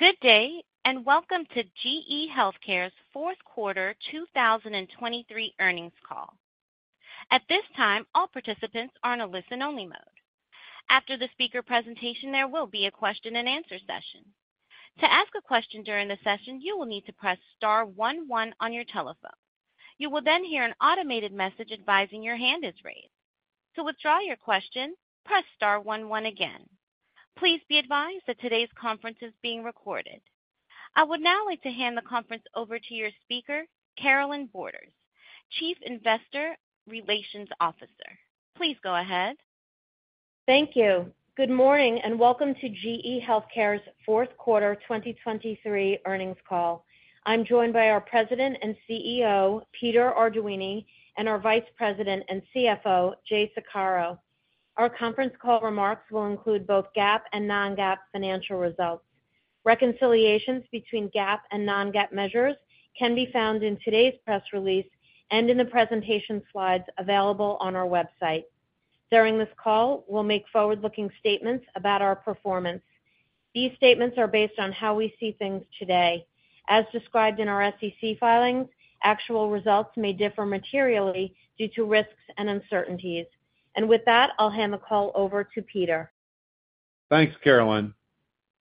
Good day, and welcome to GE HealthCare's fourth quarter 2023 earnings call. At this time, all participants are in a listen-only mode. After the speaker presentation, there will be a question-and-answer session. To ask a question during the session, you will need to press star one, one on your telephone. You will then hear an automated message advising your hand is raised. To withdraw your question, press star one, one again. Please be advised that today's conference is being recorded. I would now like to hand the conference over to your speaker, Carolyn Borders, Chief Investor Relations Officer. Please go ahead. Thank you. Good morning, and welcome to GE HealthCare's fourth quarter 2023 earnings call. I'm joined by our President and CEO, Peter Arduini, and our Vice President and CFO, Jay Saccaro. Our conference call remarks will include both GAAP and Non-GAAP financial results. Reconciliations between GAAP and Non-GAAP measures can be found in today's press release and in the presentation slides available on our website. During this call, we'll make forward-looking statements about our performance. These statements are based on how we see things today. As described in our SEC filings, actual results may differ materially due to risks and uncertainties. With that, I'll hand the call over to Peter. Thanks, Carolyn.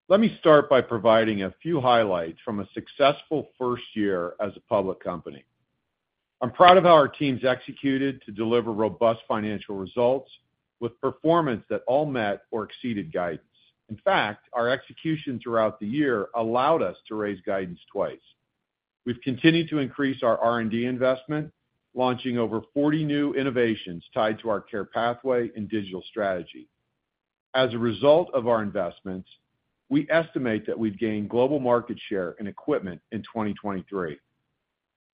Let me start by providing a few highlights from a successful first year as a public company. I'm proud of how our teams executed to deliver robust financial results, with performance that all met or exceeded guidance. In fact, our execution throughout the year allowed us to raise guidance twice. We've continued to increase our R&D investment, launching over 40 new innovations tied to our care pathway and digital strategy. As a result of our investments, we estimate that we've gained global market share and equipment in 2023.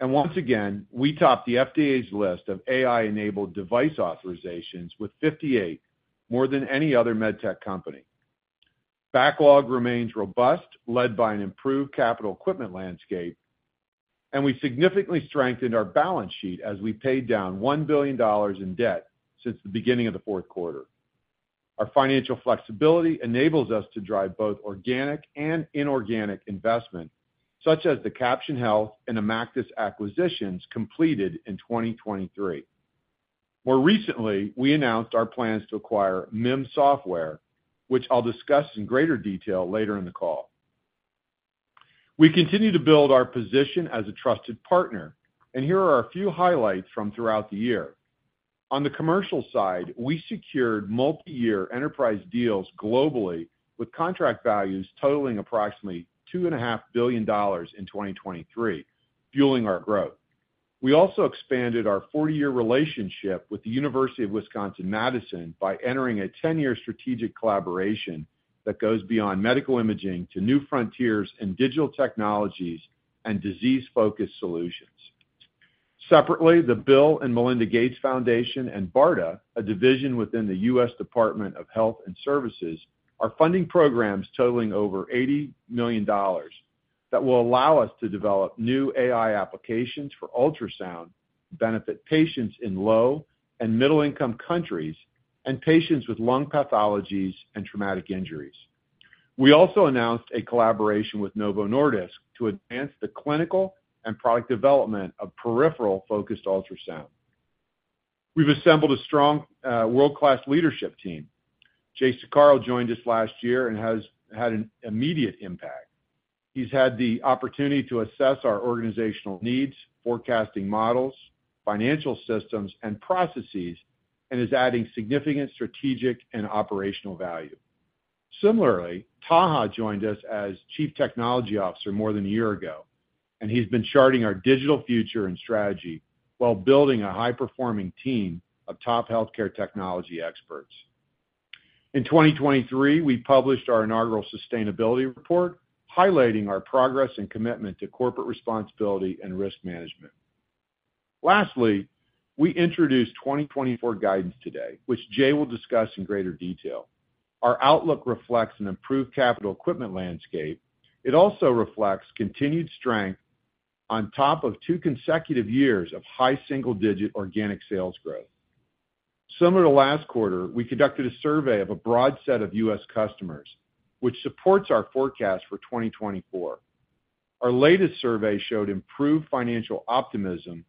Once again, we topped the FDA's list of AI-enabled device authorizations with 58, more than any other medtech company. Backlog remains robust, led by an improved capital equipment landscape, and we significantly strengthened our balance sheet as we paid down $1 billion in debt since the beginning of the fourth quarter. Our financial flexibility enables us to drive both organic and inorganic investment, such as the Caption Health and IMACTIS acquisitions completed in 2023. More recently, we announced our plans to acquire MIM Software, which I'll discuss in greater detail later in the call. We continue to build our position as a trusted partner, and here are a few highlights from throughout the year. On the commercial side, we secured multiyear enterprise deals globally, with contract values totaling approximately $2.5 billion in 2023, fueling our growth. We also expanded our 40-year relationship with the University of Wisconsin-Madison by entering a 10-year strategic collaboration that goes beyond medical imaging to new frontiers in digital technologies and disease-focused solutions. Separately, the Bill & Melinda Gates Foundation and BARDA, a division within the US Department of Health and Human Services, are funding programs totaling over $80 million that will allow us to develop new AI applications for ultrasound to benefit patients in low and middle-income countries and patients with lung pathologies and traumatic injuries. We also announced a collaboration with Novo Nordisk to advance the clinical and product development of peripheral-focused ultrasound. We've assembled a strong, world-class leadership team. Jay Saccaro joined us last year and has had an immediate impact. He's had the opportunity to assess our organizational needs, forecasting models, financial systems, and processes, and is adding significant strategic and operational value. Similarly, Taha joined us as Chief Technology Officer more than a year ago, and he's been charting our digital future and strategy while building a high-performing team of top healthcare technology experts. In 2023, we published our inaugural sustainability report, highlighting our progress and commitment to corporate responsibility and risk management. Lastly, we introduced 2024 guidance today, which Jay will discuss in greater detail. Our outlook reflects an improved capital equipment landscape. It also reflects continued strength on top of two consecutive years of high single-digit organic sales growth. Similar to last quarter, we conducted a survey of a broad set of U.S. customers, which supports our forecast for 2024. Our latest survey showed improved financial optimism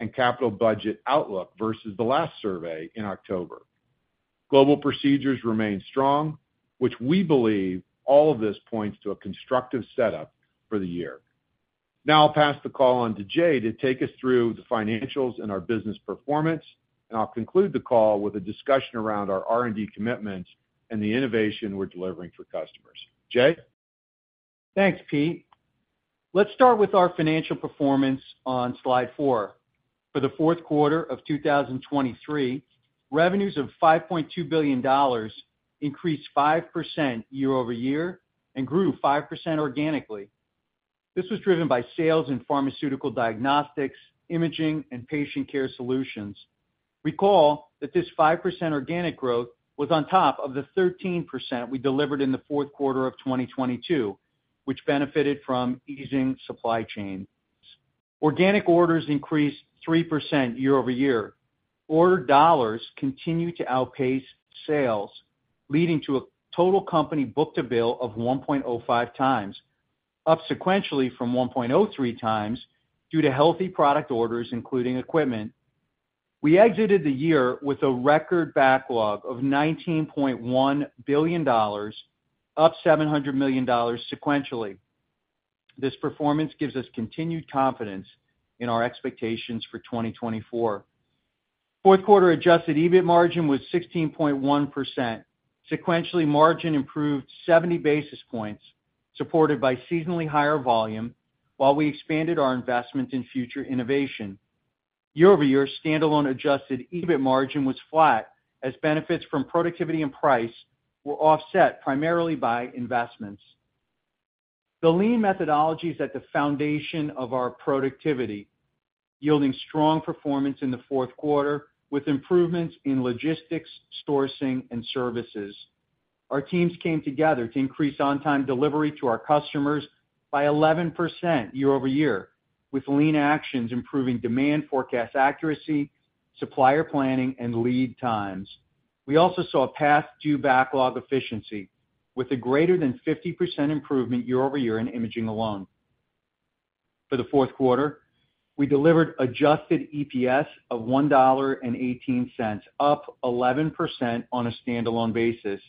and capital budget outlook versus the last survey in October. Global procedures remain strong, which we believe all of this points to a constructive setup for the year. Now I'll pass the call on to Jay to take us through the financials and our business performance, and I'll conclude the call with a discussion around our R&D commitment and the innovation we're delivering for customers. Jay? Thanks, Pete. Let's start with our financial performance on slide four. For the fourth quarter of 2023, revenues of $5.2 billion increased 5% year-over-year and grew 5% organically. This was driven by sales in pharmaceutical diagnostics, imaging, and patient care solutions. Recall that this 5% organic growth was on top of the 13% we delivered in the fourth quarter of 2022, which benefited from easing supply chain.... Organic orders increased 3% year-over-year. Order dollars continued to outpace sales, leading to a total company book-to-bill of 1.05 times, up sequentially from 1.03 times due to healthy product orders, including equipment. We exited the year with a record backlog of $19.1 billion, up $700 million sequentially. This performance gives us continued confidence in our expectations for 2024. Fourth quarter adjusted EBIT margin was 16.1%. Sequentially, margin improved 70 basis points, supported by seasonally higher volume while we expanded our investment in future innovation. Year-over-year, standalone adjusted EBIT margin was flat, as benefits from productivity and price were offset primarily by investments. The lean methodology is at the foundation of our productivity, yielding strong performance in the fourth quarter, with improvements in logistics, sourcing, and services. Our teams came together to increase on-time delivery to our customers by 11% year-over-year, with lean actions improving demand, forecast accuracy, supplier planning, and lead times. We also saw a past due backlog efficiency with a greater than 50% improvement year-over-year in imaging alone. For the fourth quarter, we delivered adjusted EPS of $1.18, up 11% on a standalone basis.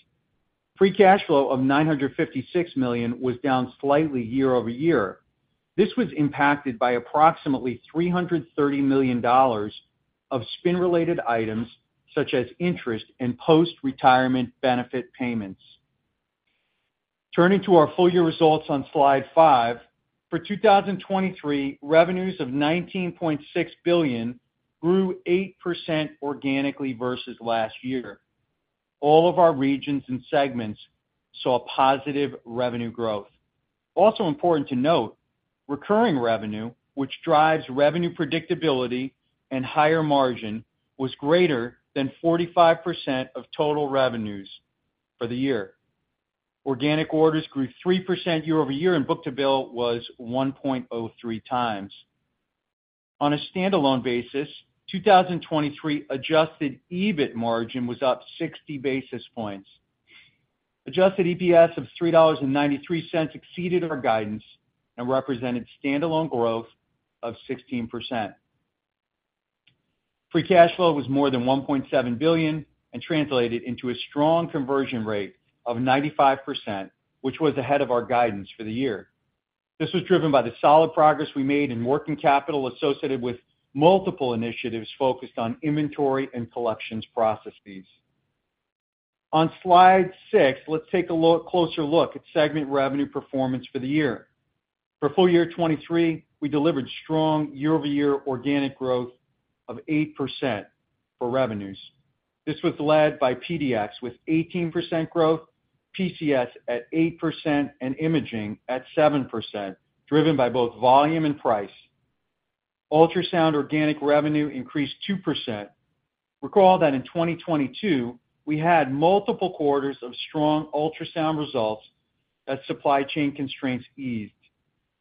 Free cash flow of $956 million was down slightly year-over-year. This was impacted by approximately $330 million of spin-related items, such as interest and post-retirement benefit payments. Turning to our full year results on slide five, for 2023, revenues of $19.6 billion grew 8% organically versus last year. All of our regions and segments saw a positive revenue growth. Also important to note, recurring revenue, which drives revenue predictability and higher margin, was greater than 45% of total revenues for the year. Organic orders grew 3% year-over-year, and book-to-bill was 1.03 times. On a standalone basis, 2023 adjusted EBIT margin was up 60 basis points. Adjusted EPS of $3.93 exceeded our guidance and represented standalone growth of 16%. Free cash flow was more than $1.7 billion and translated into a strong conversion rate of 95%, which was ahead of our guidance for the year. This was driven by the solid progress we made in working capital associated with multiple initiatives focused on inventory and collections processes. On Slide 6, let's take a closer look at segment revenue performance for the year. For full year 2023, we delivered strong year-over-year organic growth of 8% for revenues. This was led by PDX, with 18% growth, PCS at 8%, and imaging at 7%, driven by both volume and price. Ultrasound organic revenue increased 2%. Recall that in 2022, we had multiple quarters of strong ultrasound results as supply chain constraints eased.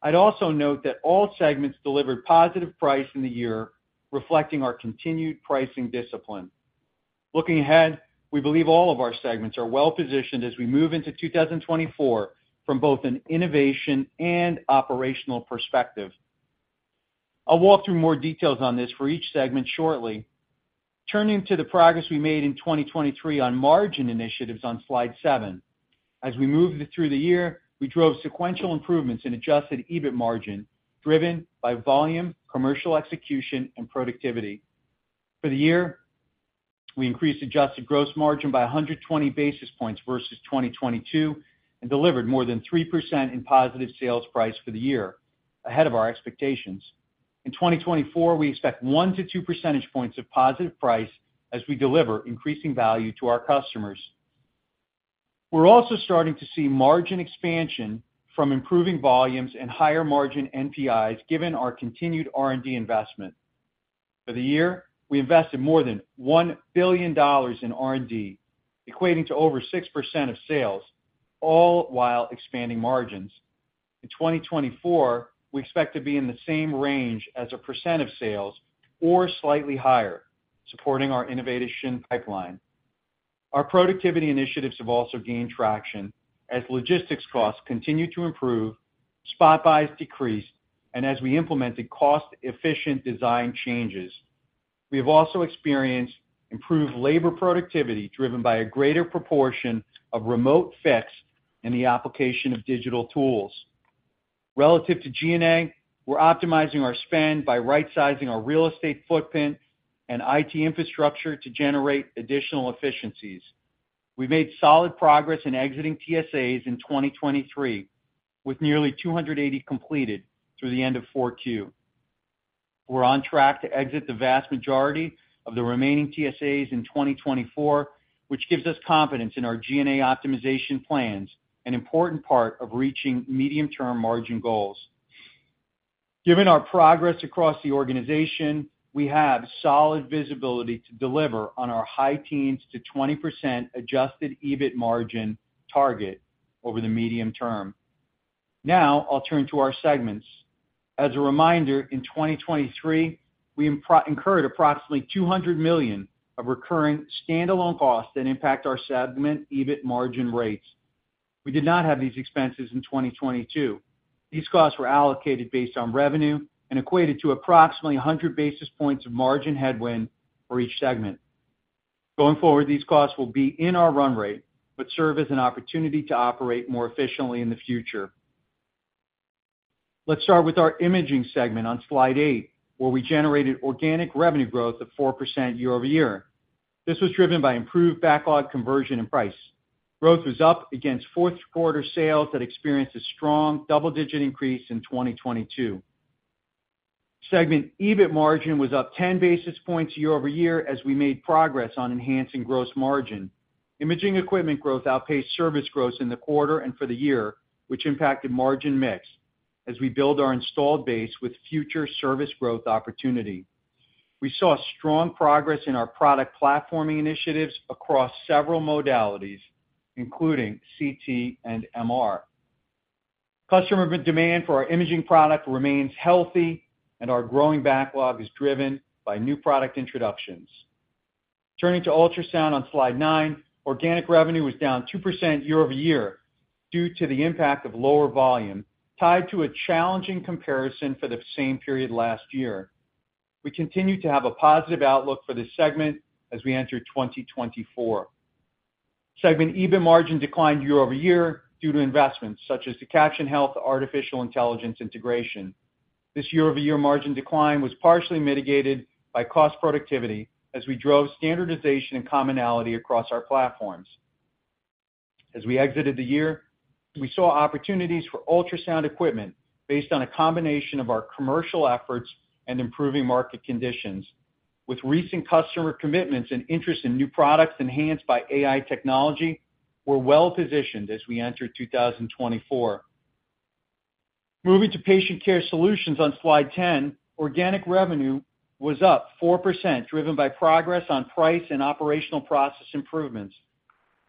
I'd also note that all segments delivered positive price in the year, reflecting our continued pricing discipline. Looking ahead, we believe all of our segments are well positioned as we move into 2024 from both an innovation and operational perspective. I'll walk through more details on this for each segment shortly. Turning to the progress we made in 2023 on margin initiatives on slide seven. As we moved through the year, we drove sequential improvements in adjusted EBIT margin, driven by volume, commercial execution, and productivity. For the year, we increased adjusted gross margin by 100 basis points versus 2022, and delivered more than 3% in positive sales price for the year, ahead of our expectations. In 2024, we expect 1-2-percentage points of positive price as we deliver increasing value to our customers. We're also starting to see margin expansion from improving volumes and higher margin NPIs, given our continued R&D investment. For the year, we invested more than $1 billion in R&D, equating to over 6% of sales, all while expanding margins. In 2024, we expect to be in the same range as a percent of sales or slightly higher, supporting our innovation pipeline. Our productivity initiatives have also gained traction as logistics costs continue to improve, spot buys decreased, and as we implemented cost-efficient design changes. We have also experienced improved labor productivity, driven by a greater proportion of remote fix in the application of digital tools. Relative to G&A, we're optimizing our spend by rightsizing our real estate footprint and IT infrastructure to generate additional efficiencies. We made solid progress in exiting TSAs in 2023, with nearly 280 completed through the end of Q4. We're on track to exit the vast majority of the remaining TSAs in 2024, which gives us confidence in our G&A optimization plans, an important part of reaching medium-term margin goals. Given our progress across the organization, we have solid visibility to deliver on our high teens-20% adjusted EBIT margin target over the medium term. Now, I'll turn to our segments. As a reminder, in 2023, we incurred approximately $200 million of recurring standalone costs that impact our segment EBIT margin rates. We did not have these expenses in 2022. These costs were allocated based on revenue and equated to approximately 100 basis points of margin headwind for each segment. Going forward, these costs will be in our run rate, but serve as an opportunity to operate more efficiently in the future. Let's start with our imaging segment on slide eight, where we generated organic revenue growth of 4% year-over-year. This was driven by improved backlog conversion and price. Growth was up against fourth quarter sales that experienced a strong double-digit increase in 2022. Segment EBIT margin was up 10 basis points year-over-year as we made progress on enhancing gross margin. Imaging equipment growth outpaced service growth in the quarter and for the year, which impacted margin mix as we build our installed base with future service growth opportunity. We saw strong progress in our product platforming initiatives across several modalities, including CT and MR. Customer demand for our imaging product remains healthy, and our growing backlog is driven by new product introductions. Turning to ultrasound on slide nine, organic revenue was down 2% year-over-year due to the impact of lower volume, tied to a challenging comparison for the same period last year. We continue to have a positive outlook for this segment as we enter 2024. Segment EBIT margin declined year-over-year due to investments such as the Caption Health artificial intelligence integration. This year-over-year margin decline was partially mitigated by cost productivity as we drove standardization and commonality across our platforms. As we exited the year, we saw opportunities for ultrasound equipment based on a combination of our commercial efforts and improving market conditions. With recent customer commitments and interest in new products enhanced by AI technology, we're well positioned as we enter 2024. Moving to patient care solutions on Slide 10, organic revenue was up 4%, driven by progress on price and operational process improvements.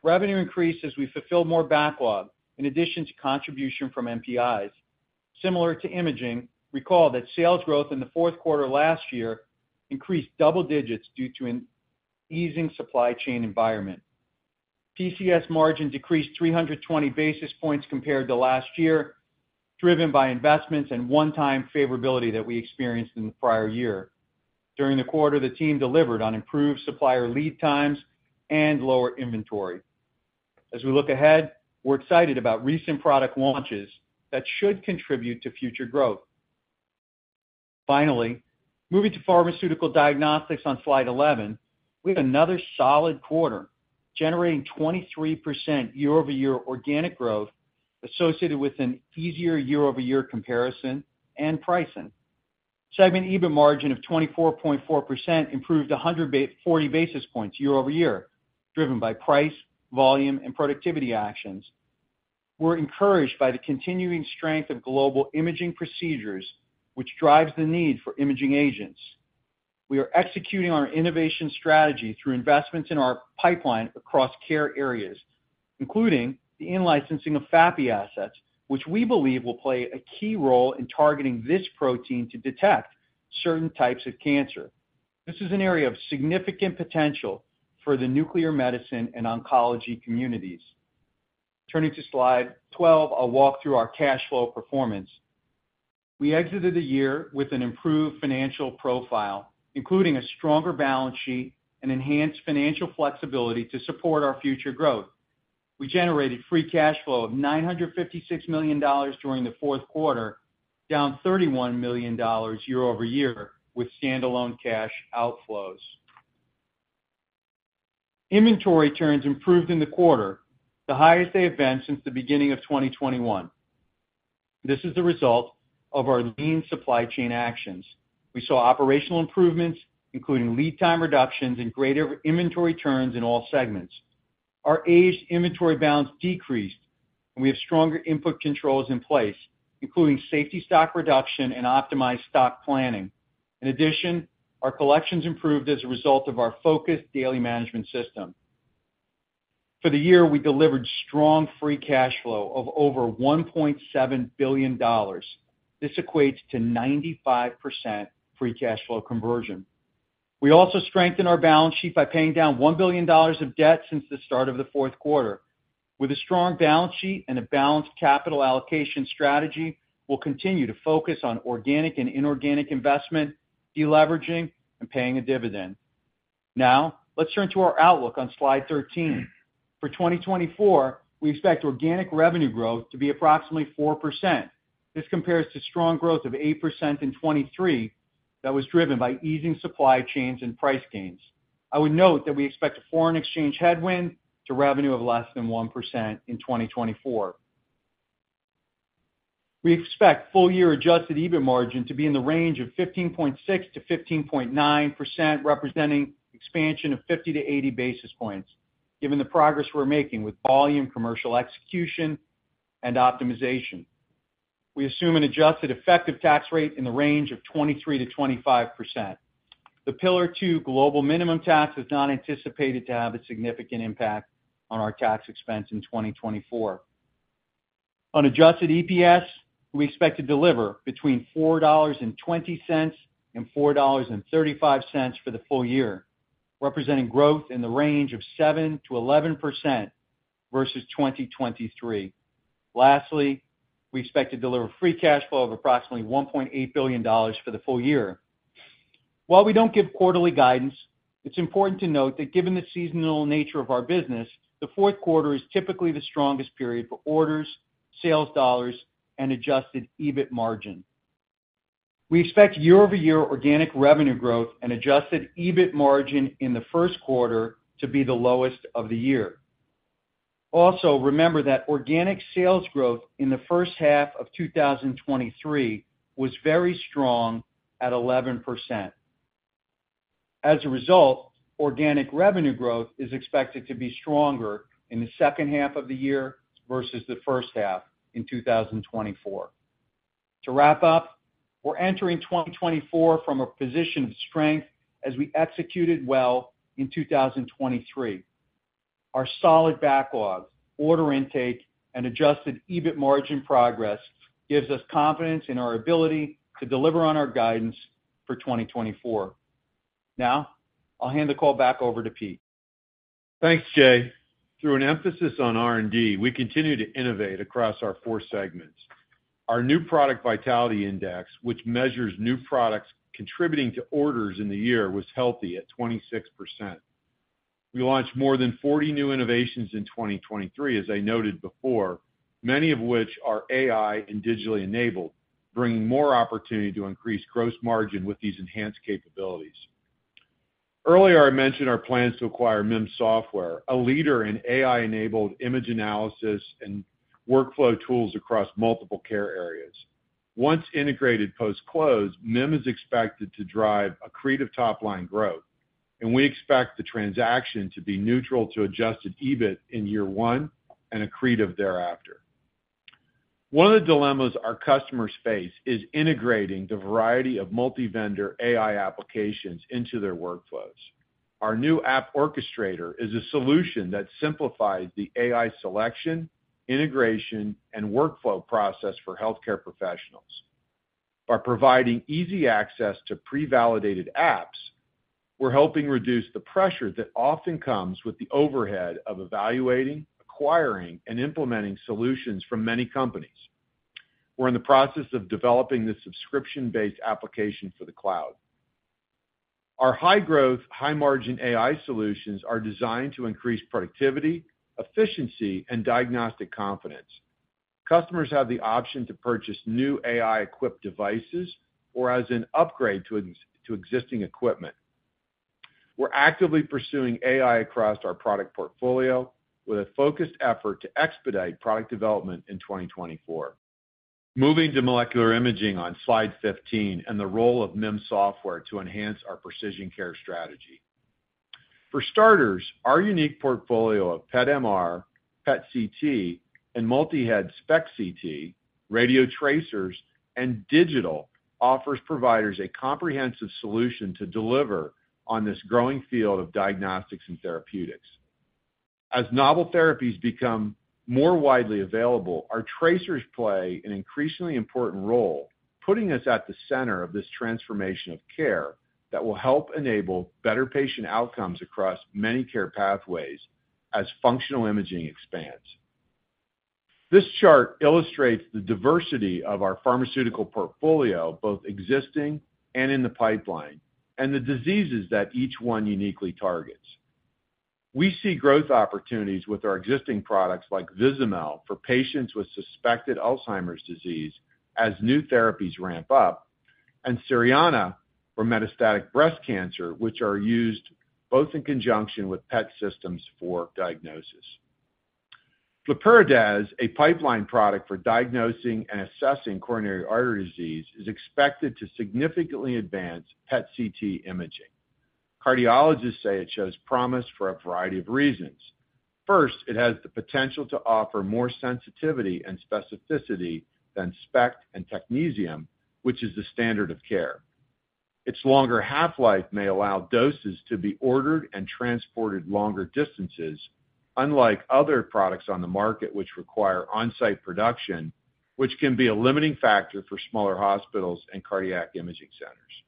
Revenue increased as we fulfilled more backlog, in addition to contribution from NPIs. Similar to imaging, recall that sales growth in the fourth quarter last year increased double digits due to an easing supply chain environment. PCS margin decreased 320 basis points compared to last year, driven by investments and one-time favorability that we experienced in the prior year. During the quarter, the team delivered on improved supplier lead times and lower inventory. As we look ahead, we're excited about recent product launches that should contribute to future growth. Finally, moving to pharmaceutical diagnostics on Slide 11, we have another solid quarter, generating 23% year-over-year organic growth associated with an easier year-over-year comparison and pricing. Segment EBIT margin of 24.4% improved 140 basis points year-over-year, driven by price, volume and productivity actions. We're encouraged by the continuing strength of global imaging procedures, which drives the need for imaging agents. We are executing our innovation strategy through investments in our pipeline across care areas, including the in-licensing of FAPI assets, which we believe will play a key role in targeting this protein to detect certain types of cancer. This is an area of significant potential for the nuclear medicine and oncology communities. Turning to Slide 12, I'll walk through our cash flow performance. We exited the year with an improved financial profile, including a stronger balance sheet and enhanced financial flexibility to support our future growth. We generated free cash flow of $956 million during the fourth quarter, down $31 million year-over-year, with standalone cash outflows. Inventory turns improved in the quarter, the highest they have been since the beginning of 2021. This is the result of our lean supply chain actions. We saw operational improvements, including lead time reductions and greater inventory turns in all segments. Our aged inventory balance decreased, and we have stronger input controls in place, including safety stock reduction and optimized stock planning. In addition, our collections improved as a result of our focused daily management system. For the year, we delivered strong free cash flow of over $1.7 billion. This equates to 95% free cash flow conversion. We also strengthened our balance sheet by paying down $1 billion of debt since the start of the fourth quarter. With a strong balance sheet and a balanced capital allocation strategy, we'll continue to focus on organic and inorganic investment, deleveraging, and paying a dividend. Now, let's turn to our outlook on Slide 13. For 2024, we expect organic revenue growth to be approximately 4%. This compares to strong growth of 8% in 2023, that was driven by easing supply chains and price gains. I would note that we expect a foreign exchange headwind to revenue of less than 1% in 2024. We expect full-year adjusted EBIT margin to be in the range of 15.6%-15.9%, representing expansion of 50 basis points-80 basis points, given the progress we're making with volume, commercial execution, and optimization. We assume an adjusted effective tax rate in the range of 23%-25%. The Pillar Two global minimum tax is not anticipated to have a significant impact on our tax expense in 2024. On adjusted EPS, we expect to deliver between $4.20 and $4.35 for the full year, representing growth in the range of 7%-11% versus 2023. Lastly, we expect to deliver free cash flow of approximately $1.8 billion for the full year. While we don't give quarterly guidance, it's important to note that given the seasonal nature of our business, the fourth quarter is typically the strongest period for orders, sales dollars, and adjusted EBIT margin. We expect year-over-year organic revenue growth and adjusted EBIT margin in the first quarter to be the lowest of the year. Also, remember that organic sales growth in the first half of 2023 was very strong at 11%. As a result, organic revenue growth is expected to be stronger in the second half of the year versus the first half in 2024. To wrap up, we're entering 2024 from a position of strength as we executed well in 2023. Our solid backlog, order intake, and adjusted EBIT margin progress gives us confidence in our ability to deliver on our guidance for 2024. Now, I'll hand the call back over to Pete. Thanks, Jay. Through an emphasis on R&D, we continue to innovate across our four segments. Our new product Vitality Index, which measures new products contributing to orders in the year, was healthy at 26%. We launched more than 40 new innovations in 2023, as I noted before, many of which are AI and digitally enabled, bringing more opportunity to increase gross margin with these enhanced capabilities. Earlier, I mentioned our plans to acquire MIM Software, a leader in AI-enabled image analysis and workflow tools across multiple care areas. Once integrated post-close, MIM is expected to drive accretive top-line growth, and we expect the transaction to be neutral to adjusted EBIT in year one and accretive thereafter. One of the dilemmas our customers face is integrating the variety of multi-vendor AI applications into their workflows. Our new App Orchestrator is a solution that simplifies the AI selection, integration, and workflow process for healthcare professionals. By providing easy access to pre-validated apps, we're helping reduce the pressure that often comes with the overhead of evaluating, acquiring, and implementing solutions from many companies. We're in the process of developing this subscription-based application for the cloud. Our high-growth, high-margin AI solutions are designed to increase productivity, efficiency, and diagnostic confidence. Customers have the option to purchase new AI-equipped devices or as an upgrade to existing equipment. We're actively pursuing AI across our product portfolio with a focused effort to expedite product development in 2024. Moving to molecular imaging on slide 15 and the role of MIM Software to enhance our precision care strategy. For starters, our unique portfolio of PET/MR, PET/CT, and multi-head SPECT/CT, radiotracers, and digital, offers providers a comprehensive solution to deliver on this growing field of diagnostics and therapeutics. As novel therapies become more widely available, our tracers play an increasingly important role, putting us at the center of this transformation of care that will help enable better patient outcomes across many care pathways as functional imaging expands. This chart illustrates the diversity of our pharmaceutical portfolio, both existing and in the pipeline, and the diseases that each one uniquely targets. We see growth opportunities with our existing products, like Vizamyl, for patients with suspected Alzheimer's disease as new therapies ramp up, and Cerianna for metastatic breast cancer, which are used both in conjunction with PET systems for diagnosis. Flurpiridaz, a pipeline product for diagnosing and assessing coronary artery disease, is expected to significantly advance PET/CT imaging. Cardiologists say it shows promise for a variety of reasons. First, it has the potential to offer more sensitivity and specificity than SPECT and technetium, which is the standard of care. Its longer half-life may allow doses to be ordered and transported longer distances, unlike other products on the market, which require on-site production, which can be a limiting factor for smaller hospitals and cardiac imaging centers.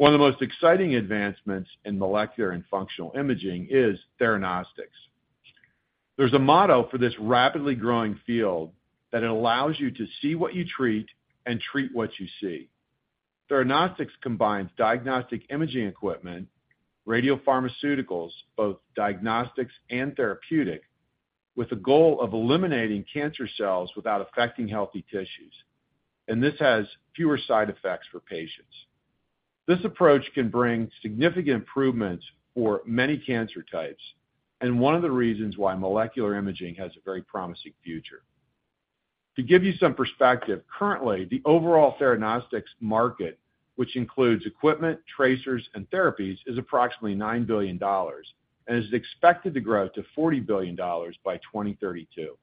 One of the most exciting advancements in molecular and functional imaging is theranostics. There's a motto for this rapidly growing field, that it allows you to see what you treat and treat what you see. Theranostics combines diagnostic imaging equipment, radiopharmaceuticals, both diagnostics and therapeutic, with the goal of eliminating cancer cells without affecting healthy tissues, and this has fewer side effects for patients. This approach can bring significant improvements for many cancer types, and one of the reasons why molecular imaging has a very promising future. To give you some perspective, currently, the overall theranostics market... which includes equipment, tracers, and therapies, is approximately $9 billion, and is expected to grow to $40 billion by 2032.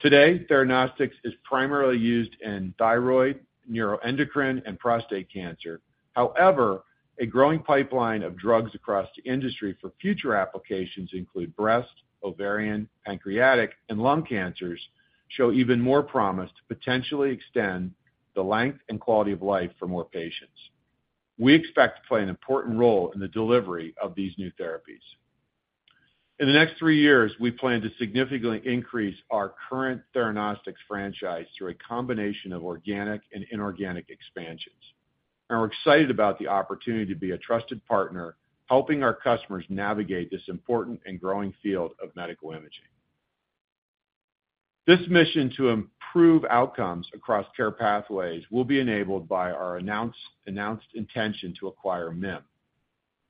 Today, theranostics is primarily used in thyroid, neuroendocrine, and prostate cancer. However, a growing pipeline of drugs across the industry for future applications include breast, ovarian, pancreatic, and lung cancers, show even more promise to potentially extend the length and quality of life for more patients. We expect to play an important role in the delivery of these new therapies. In the next three years, we plan to significantly increase our current theranostics franchise through a combination of organic and inorganic expansions, and we're excited about the opportunity to be a trusted partner, helping our customers navigate this important and growing field of medical imaging. This mission to improve outcomes across care pathways will be enabled by our announced intention to acquire MIM.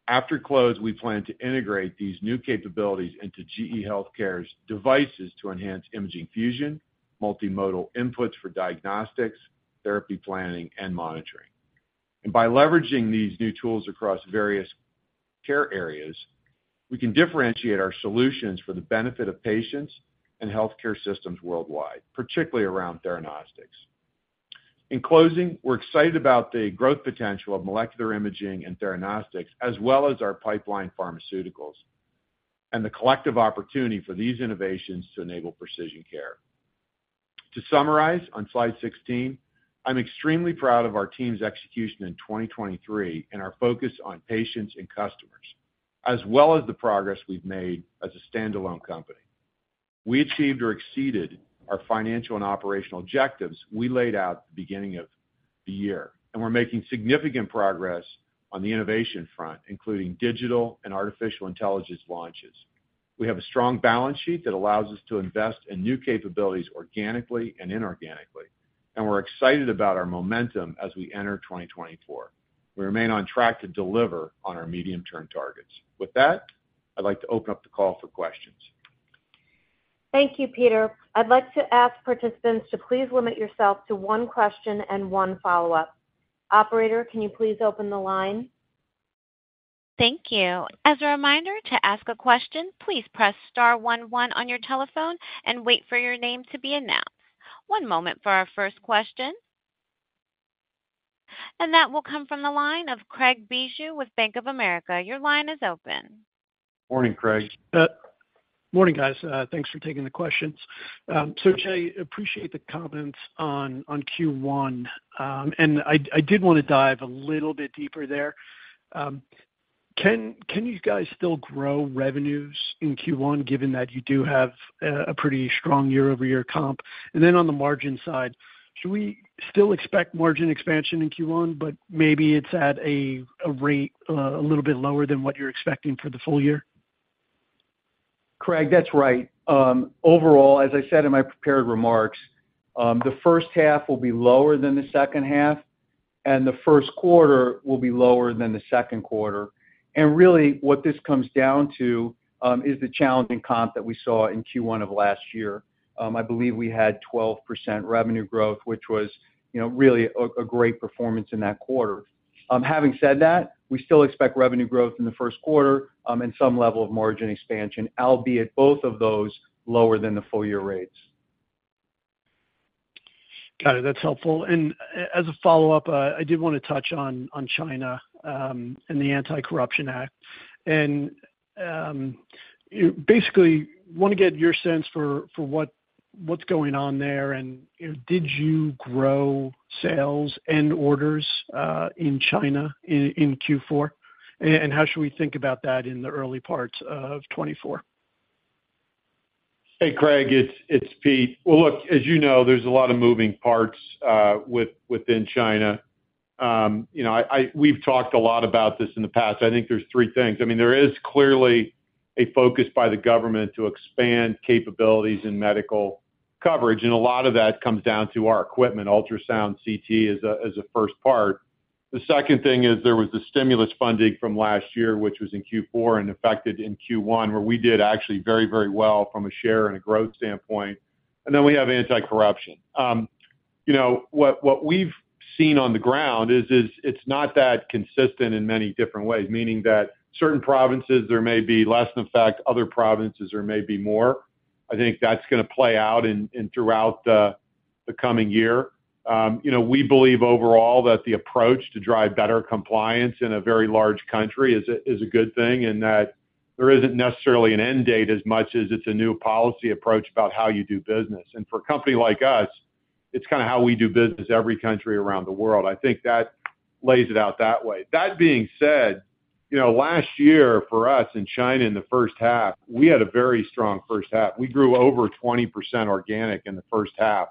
After close, we plan to integrate these new capabilities into GE HealthCare's devices to enhance imaging fusion, multimodal inputs for diagnostics, therapy planning, and monitoring. And by leveraging these new tools across various care areas, we can differentiate our solutions for the benefit of patients and healthcare systems worldwide, particularly around theranostics. In closing, we're excited about the growth potential of molecular imaging and theranostics, as well as our pipeline pharmaceuticals, and the collective opportunity for these innovations to enable precision care. To summarize, on slide 16, I'm extremely proud of our team's execution in 2023 and our focus on patients and customers, as well as the progress we've made as a standalone company. We achieved or exceeded our financial and operational objectives we laid out at the beginning of the year, and we're making significant progress on the innovation front, including digital and artificial intelligence launches. We have a strong balance sheet that allows us to invest in new capabilities organically and inorganically, and we're excited about our momentum as we enter 2024. We remain on track to deliver on our medium-term targets. With that, I'd like to open up the call for questions. Thank you, Peter. I'd like to ask participants to please limit yourself to one question and one follow-up. Operator, can you please open the line? Thank you. As a reminder, to ask a question, please press star one one on your telephone and wait for your name to be announced. One moment for our first question. That will come from the line of Craig Bijou with Bank of America. Your line is open. Morning, Craig. Morning, guys. Thanks for taking the questions. So Jay, appreciate the comments on Q1. And I did wanna dive a little bit deeper there. Can you guys still grow revenues in Q1, given that you do have a pretty strong year-over-year comp? And then on the margin side, should we still expect margin expansion in Q1, but maybe it's at a rate a little bit lower than what you're expecting for the full year? Craig, that's right. Overall, as I said in my prepared remarks, the first half will be lower than the second half, and the first quarter will be lower than the second quarter. Really, what this comes down to is the challenging comp that we saw in Q1 of last year. I believe we had 12% revenue growth, which was, you know, really a great performance in that quarter. Having said that, we still expect revenue growth in the first quarter, and some level of margin expansion, albeit both of those lower than the full-year rates. Got it. That's helpful. And as a follow-up, I did want to touch on China and the Anti-Corruption Act. And basically, want to get your sense for what what's going on there, and you know, did you grow sales and orders in China in Q4? And how should we think about that in the early parts of 2024? Hey, Craig, it's Pete. Well, look, as you know, there's a lot of moving parts within China. You know, we've talked a lot about this in the past. I think there's three things. I mean, there is clearly a focus by the government to expand capabilities in medical coverage, and a lot of that comes down to our equipment, ultrasound, CT, as a first part. The second thing is there was the stimulus funding from last year, which was in Q4 and affected in Q1, where we did actually very, very well from a share and a growth standpoint. And then we have anti-corruption. You know, what we've seen on the ground is it's not that consistent in many different ways, meaning that certain provinces, there may be less impact, other provinces, there may be more. I think that's gonna play out in throughout the coming year. You know, we believe overall that the approach to drive better compliance in a very large country is a good thing, and that there isn't necessarily an end date as much as it's a new policy approach about how you do business. And for a company like us, it's kinda how we do business every country around the world. I think that lays it out that way. That being said, you know, last year, for us in China, in the first half, we had a very strong first half. We grew over 20% organic in the first half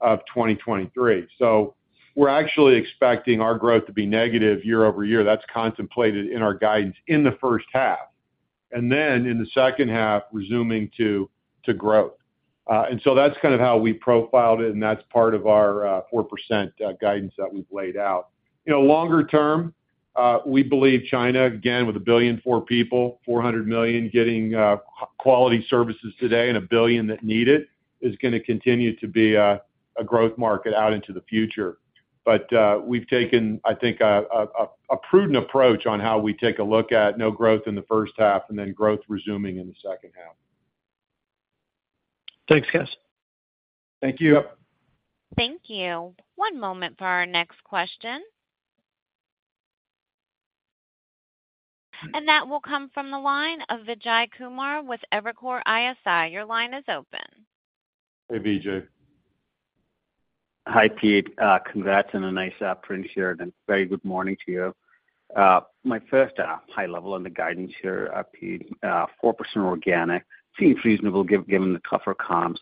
of 2023. So we're actually expecting our growth to be negative year-over-year. That's contemplated in our guidance in the first half, and then in the second half, resuming to growth. And so that's kind of how we profiled it, and that's part of our 4% guidance that we've laid out. You know, longer term, we believe China, again, with 1.4 billion people, 400 million getting quality services today and 1 billion that need it, is gonna continue to be a growth market out into the future. But we've taken, I think, a prudent approach on how we take a look at no growth in the first half and then growth resuming in the second half. Thanks, guys. Thank you. Thank you. One moment for our next question. That will come from the line of Vijay Kumar with Evercore ISI. Your line is open. Hey, Vijay. Hi, Pete. Congrats on a nice print here, and a very good morning to you. My first high level on the guidance here, Pete, 4% organic, seems reasonable given the tougher comps.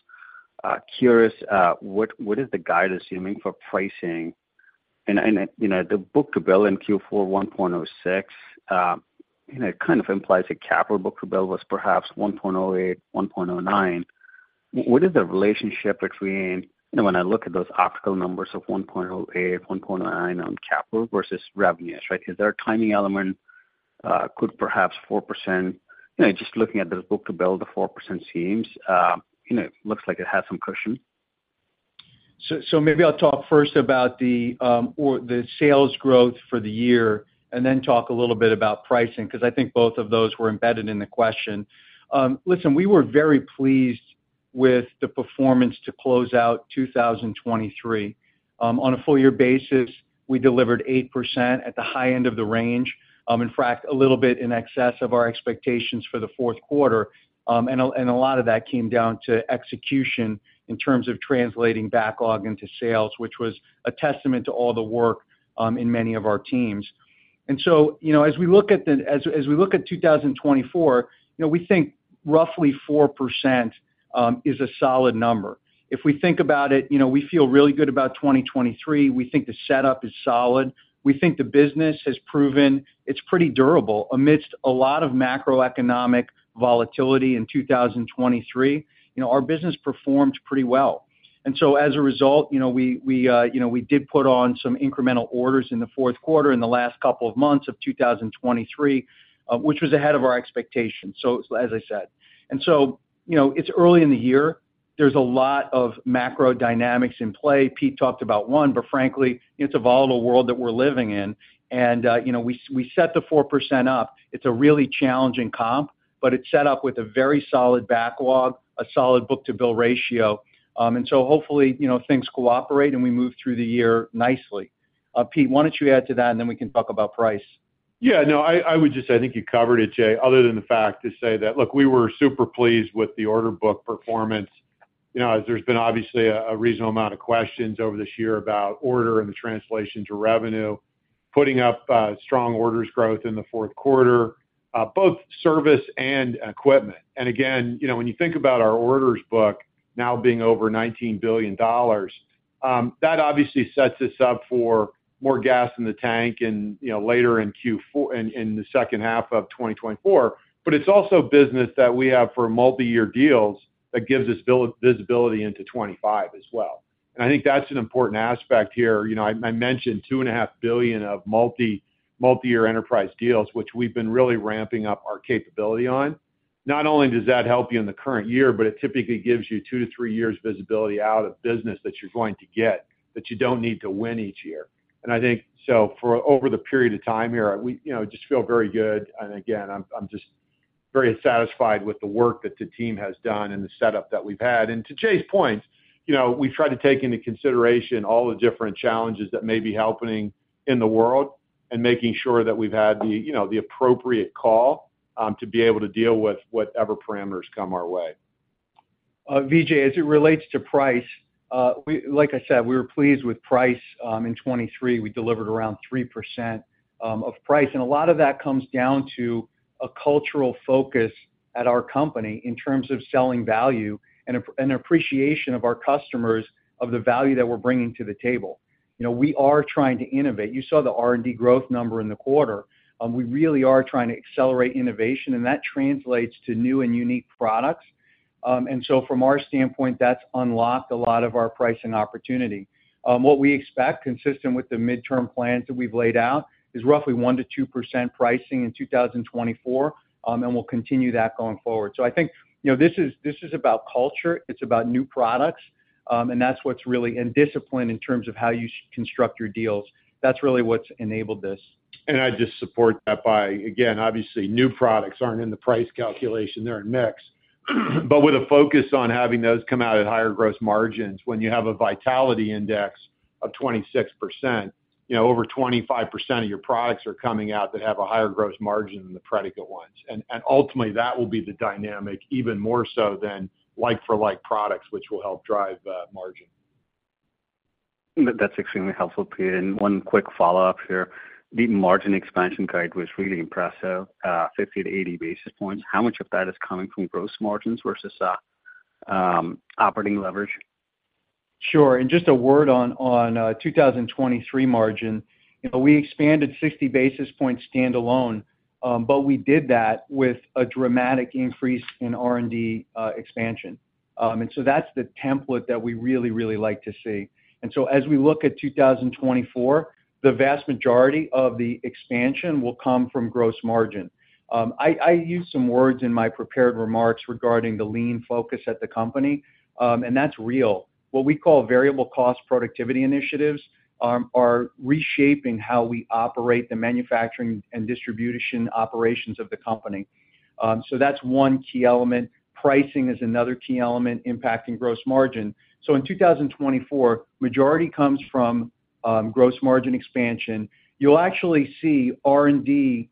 Curious, what is the guide assuming for pricing? And, you know, the book-to-bill in Q4, 1.06, you know, it kind of implies a capital book-to-bill was perhaps 1.08, 1.09. What is the relationship between, you know, when I look at those overall numbers of 1.08, 1.09 on capital versus revenues, right? Is there a timing element, could perhaps 4%, you know, just looking at this book-to-bill, the 4% seems, you know, looks like it has some cushion. So maybe I'll talk first about the or the sales growth for the year, and then talk a little bit about pricing, 'cause I think both of those were embedded in the question. Listen, we were very pleased with the performance to close out 2023. On a full year basis, we delivered 8% at the high end of the range, in fact, a little bit in excess of our expectations for the fourth quarter. And a lot of that came down to execution in terms of translating backlog into sales, which was a testament to all the work in many of our teams. And so, you know, as we look at 2024, you know, we think roughly 4% is a solid number. If we think about it, you know, we feel really good about 2023. We think the setup is solid. We think the business has proven it's pretty durable. Amidst a lot of macroeconomic volatility in 2023, you know, our business performed pretty well. And so as a result, you know, we did put on some incremental orders in the fourth quarter, in the last couple of months of 2023, which was ahead of our expectations. So as I said. And so, you know, it's early in the year. There's a lot of macro dynamics in play. Pete talked about one, but frankly, it's a volatile world that we're living in, and, you know, we set the 4% up. It's a really challenging comp, but it's set up with a very solid backlog, a solid book-to-bill ratio. And so hopefully, you know, things cooperate, and we move through the year nicely. Pete, why don't you add to that, and then we can talk about price? Yeah, no, I would just say, I think you covered it, Jay, other than the fact to say that, look, we were super pleased with the order book performance. You know, as there's been obviously a reasonable amount of questions over this year about order and the translation to revenue, putting up strong orders growth in the fourth quarter, both service and equipment. And again, you know, when you think about our orders book now being over $19 billion, that obviously sets us up for more gas in the tank and, you know, later in Q4 in the second half of 2024. But it's also business that we have for multi-year deals that gives us visibility into 2025 as well. And I think that's an important aspect here. You know, I mentioned $2.5 billion of multiyear enterprise deals, which we've been really ramping up our capability on. Not only does that help you in the current year, but it typically gives you 2-3 years visibility out of business that you're going to get, that you don't need to win each year. And I think, so for over the period of time here, we, you know, just feel very good. And again, I'm just very satisfied with the work that the team has done and the setup that we've had. And to Jay's point, you know, we try to take into consideration all the different challenges that may be happening in the world and making sure that we've had the, you know, the appropriate call to be able to deal with whatever parameters come our way. Vijay, as it relates to price, we... Like I said, we were pleased with price. In 2023, we delivered around 3%, of price, and a lot of that comes down to a cultural focus at our company in terms of selling value and appreciation of our customers of the value that we're bringing to the table. You know, we are trying to innovate. You saw the R&D growth number in the quarter. We really are trying to accelerate innovation, and that translates to new and unique products. And so from our standpoint, that's unlocked a lot of our pricing opportunity. What we expect, consistent with the midterm plans that we've laid out, is roughly 1%-2% pricing in 2024, and we'll continue that going forward. I think, you know, this is, this is about culture, it's about new products, and that's what's really... and discipline in terms of how you construct your deals. That's really what's enabled this. And I just support that by, again, obviously, new products aren't in the price calculation, they're in mix. But with a focus on having those come out at higher gross margins, when you have a Vitality Index of 26%, you know, over 25% of your products are coming out that have a higher gross margin than the predicate ones. And ultimately, that will be the dynamic, even more so than like-for-like products, which will help drive margin. That's extremely helpful, Pete. One quick follow-up here. The margin expansion guide was really impressive, 50-80 basis points. How much of that is coming from gross margins versus operating leverage? Sure. And just a word on 2023 margin. You know, we expanded 60 basis points standalone, but we did that with a dramatic increase in R&D expansion. And so that's the template that we really, really like to see. And so as we look at 2024, the vast majority of the expansion will come from gross margin. I used some words in my prepared remarks regarding the lean focus at the company, and that's real. What we call variable cost productivity initiatives are reshaping how we operate the manufacturing and distribution operations of the company. So that's one key element. Pricing is another key element impacting gross margin. So in 2024, majority comes from gross margin expansion. You'll actually see R&D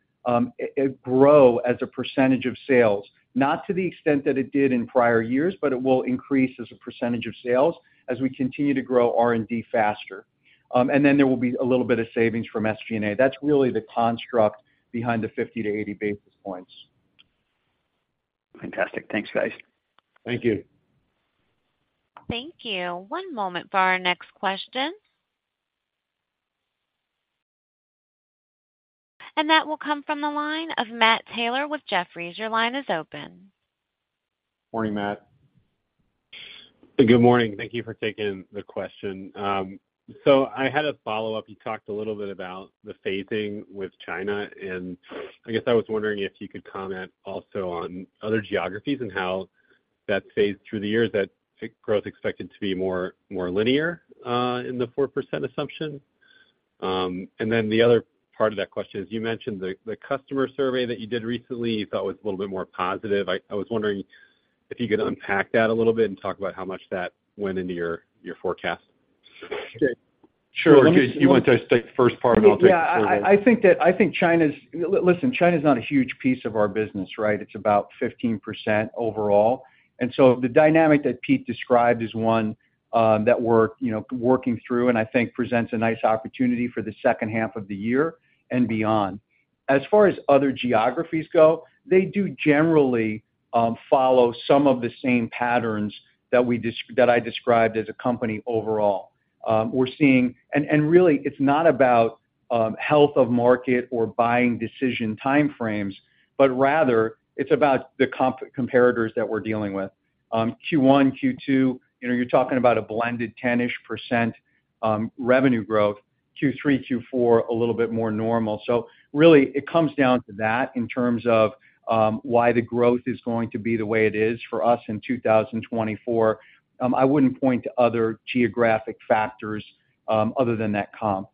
grow as a percentage of sales, not to the extent that it did in prior years, but it will increase as a percentage of sales as we continue to grow R&D faster. And then there will be a little bit of savings from SG&A. That's really the construct behind the 50-80 basis points. Fantastic. Thanks, guys. Thank you. Thank you. One moment for our next question. That will come from the line of Matt Taylor with Jefferies. Your line is open. Morning, Matt. Good morning. Thank you for taking the question. So I had a follow-up. You talked a little bit about the phasing with China, and I guess I was wondering if you could comment also on other geographies and how that phased through the years, that growth expected to be more, more linear in the 4% assumption. And then the other part of that question is, you mentioned the customer survey that you did recently, you thought was a little bit more positive. I was wondering if you could unpack that a little bit and talk about how much that went into your forecast? Sure. Do you want to take the first part, and I'll take the second one? Yeah, I think that—I think China's... Listen, China's not a huge piece of our business, right? It's about 15% overall. And so the dynamic that Pete described is one that we're, you know, working through, and I think presents a nice opportunity for the second half of the year and beyond. As far as other geographies go, they do generally follow some of the same patterns that I described as a company overall. We're seeing—and really, it's not about health of market or buying decision time frames, but rather, it's about the comparators that we're dealing with. Q1, Q2, you know, you're talking about a blended 10-ish% revenue growth, Q3, Q4, a little bit more normal. So really, it comes down to that in terms of why the growth is going to be the way it is for us in 2024. I wouldn't point to other geographic factors, other than that comp.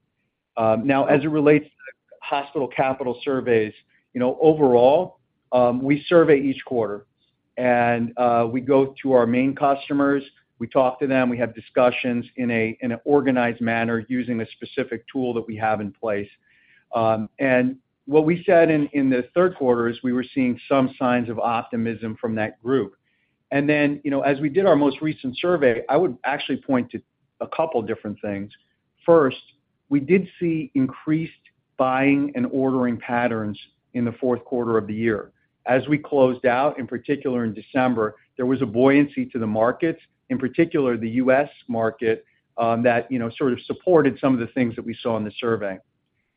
Now, as it relates to the hospital capital surveys, you know, overall, we survey each quarter, and we go to our main customers, we talk to them, we have discussions in an organized manner using a specific tool that we have in place. And what we said in the third quarter is we were seeing some signs of optimism from that group. And then, you know, as we did our most recent survey, I would actually point to a couple different things. First, we did see increased buying and ordering patterns in the fourth quarter of the year. As we closed out, in particular in December, there was a buoyancy to the market, in particular, the U.S. market, that, you know, sort of supported some of the things that we saw in the survey.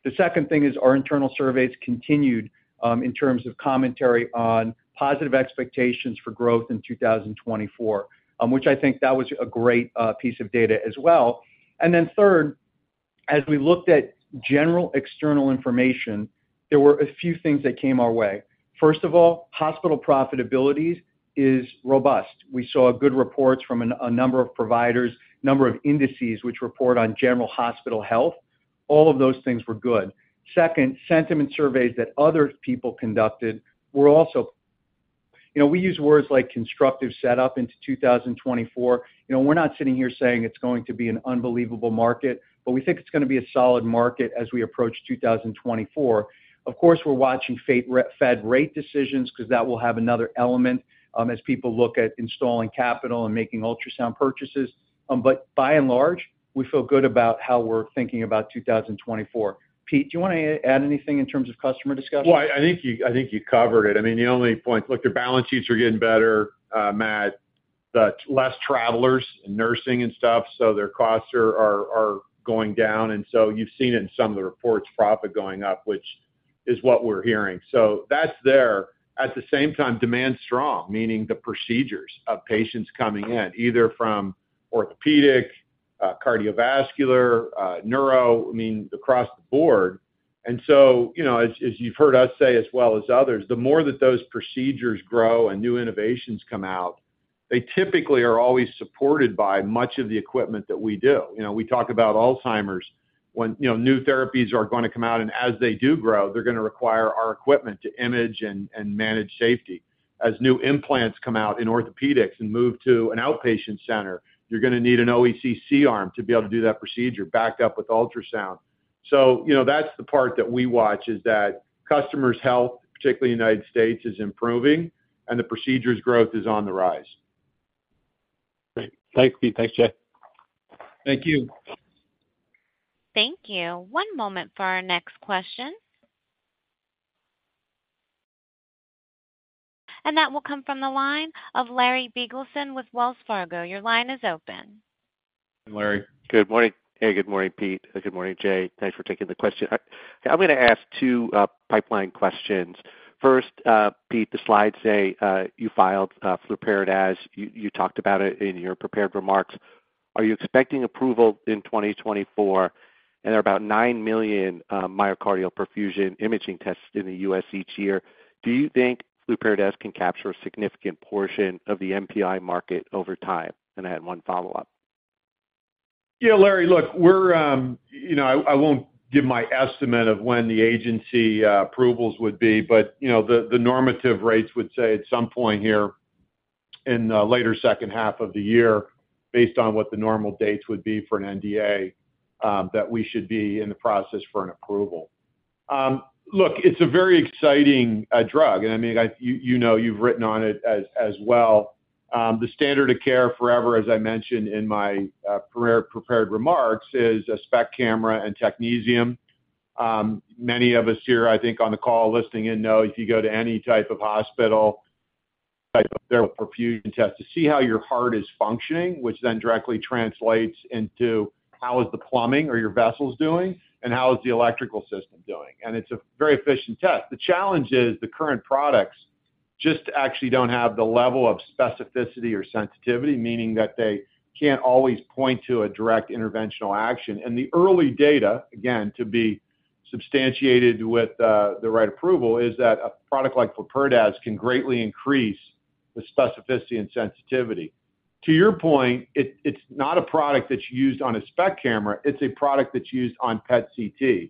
The second thing is our internal surveys continued, in terms of commentary on positive expectations for growth in 2024, which I think that was a great piece of data as well. And then third, as we looked at general external information, there were a few things that came our way. First of all, hospital profitability is robust. We saw good reports from a number of providers, number of indices, which report on general hospital health. All of those things were good. Second, sentiment surveys that other people conducted were also... You know, we use words like constructive setup into 2024. You know, we're not sitting here saying it's going to be an unbelievable market, but we think it's gonna be a solid market as we approach 2024. Of course, we're watching Fed rate decisions because that will have another element, as people look at installing capital and making ultrasound purchases. But by and large, we feel good about how we're thinking about 2024. Pete, do you want to add anything in terms of customer discussion? Well, I think you, I think you covered it. I mean, the only point, look, their balance sheets are getting better, Matt, the less travelers in nursing and stuff, so their costs are going down. And so you've seen in some of the reports, profit going up, which is what we're hearing. So that's there. At the same time, demand's strong, meaning the procedures of patients coming in, either from orthopedic, cardiovascular, neuro, I mean, across the board. And so, you know, as you've heard us say, as well as others, the more that those procedures grow and new innovations come out, they typically are always supported by much of the equipment that we do. You know, we talk about Alzheimer's, when, you know, new therapies are gonna come out, and as they do grow, they're gonna require our equipment to image and manage safety. As new implants come out in orthopedics and move to an outpatient center, you're gonna need an OEC C-arm to be able to do that procedure, backed up with ultrasound. So you know, that's the part that we watch, is that customers' health, particularly in the United States, is improving, and the procedures growth is on the rise. Great. Thanks, Pete. Thanks, Jay. Thank you. Thank you. One moment for our next question. That will come from the line of Larry Biegelsen with Wells Fargo. Your line is open.... Larry. Good morning. Hey, good morning, Pete. Good morning, Jay. Thanks for taking the question. I'm gonna ask two pipeline questions. First, Pete, the slides say you filed Flurpiridaz. You talked about it in your prepared remarks. Are you expecting approval in 2024? And there are about 9 million myocardial perfusion imaging tests in the U.S. each year. Do you think Flurpiridaz can capture a significant portion of the MPI market over time? And I had one follow-up. Yeah, Larry, look, we're, you know, I won't give my estimate of when the agency approvals would be, but, you know, the normative rates would say at some point here, in later second half of the year, based on what the normal dates would be for an NDA, that we should be in the process for an approval. Look, it's a very exciting drug, and I mean, you know, you've written on it as well. The standard of care forever, as I mentioned in my prepared remarks, is a SPECT camera and technetium. Many of us here, I think, on the call listening in know if you go to any type of hospital, type of perfusion test to see how your heart is functioning, which then directly translates into how is the plumbing or your vessels doing, and how is the electrical system doing? And it's a very efficient test. The challenge is, the current products just actually don't have the level of specificity or sensitivity, meaning that they can't always point to a direct interventional action. And the early data, again, to be substantiated with, the right approval, is that a product like Flurpiridaz can greatly increase the specificity and sensitivity. To your point, it's not a product that's used on a SPECT camera, it's a product that's used on PET/CT.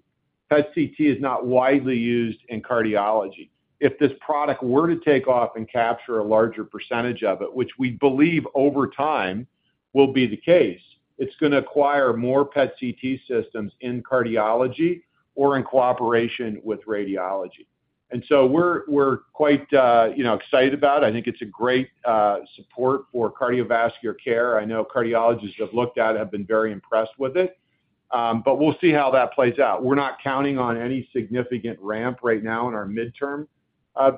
PET/CT is not widely used in cardiology. If this product were to take off and capture a larger percentage of it, which we believe over time will be the case, it's gonna acquire more PET/CT systems in cardiology or in cooperation with radiology. And so we're quite, you know, excited about it. I think it's a great support for cardiovascular care. I know cardiologists who have looked at it, have been very impressed with it, but we'll see how that plays out. We're not counting on any significant ramp right now in our midterm